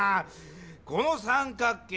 この三角形